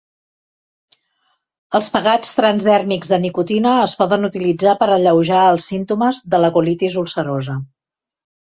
Els pegats transdèrmics de nicotina es poden utilitzar per alleujar els símptomes de la colitis ulcerosa.